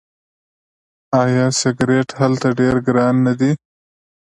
آیا سیګرټ هلته ډیر ګران نه دي؟